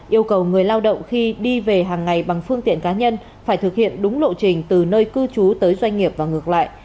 yêu cầu người lao động khi đi về hàng ngày bằng phương tiện cá nhân phải thực hiện đúng lộ trình từ nơi cư trú tới doanh nghiệp và ngược lại